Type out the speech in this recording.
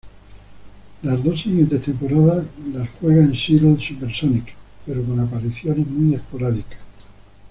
Las dos siguientes temporadas las juega en Seattle Supersonics, pero con apariciones muy esporádicas.